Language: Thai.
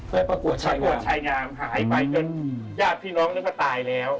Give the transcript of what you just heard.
ไปประกวดชัยงามประกวดชัยงามหายไปจนญาติพี่น้องแล้วก็ตายแล้ว